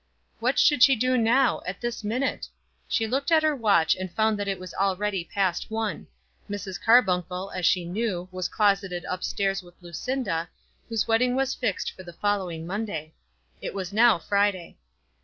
What should she do now, at this minute? She looked at her watch and found that it was already past one. Mrs. Carbuncle, as she knew, was closeted up stairs with Lucinda, whose wedding was fixed for the following Monday. It was now Friday.